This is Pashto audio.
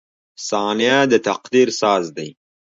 • ثانیه د تقدیر ساز دی.